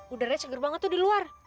udarnya segar banget tuh di luar